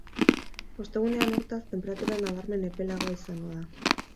Ostegunean, hortaz, tenperatura nabarmen epelagoa izango da.